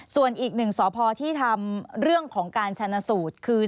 ส่วนอีกหนึ่งสพที่ทำเรื่องของการชนะสูตรคือ